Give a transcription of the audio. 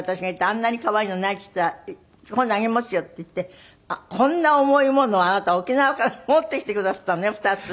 「あんなに可愛いのない」って言ったら「今度あげますよ」って言ってこんな重いものをあなた沖縄から持ってきてくだすったのよ２つ。